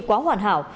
quá hoàn hảo